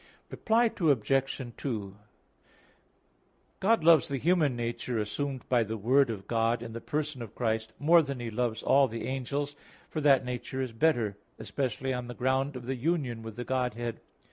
Reply Obj. 2: God loves the human nature assumed by the Word of God in the person of Christ more than He loves all the angels; for that nature is better, especially on the ground of the union with the Godhead.